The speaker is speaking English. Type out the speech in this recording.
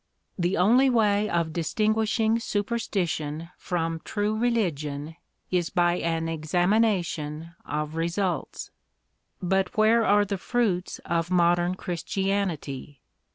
The only way of distinguishing superstition from true religion is by an examination of results. But where are the fruits of modern Christianity?